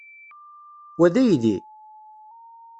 Wa d aydi?